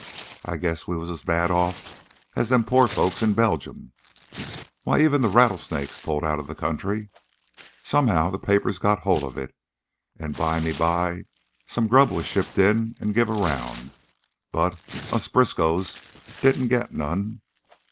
I guess we was as bad off as them pore folks in Beljum. Why, even the rattlesnakes pulled out of the country! Somehow the papers got hold of it and bime by some grub was shipped in and give around, but us Briskows didn't get none.